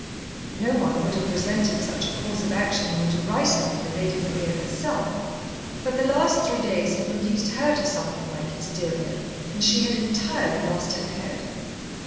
No one would have resented such a course of action more derisively than Lady Maria herself, but the last three days had reduced her to something like hysteria, and she had entirely lost her head.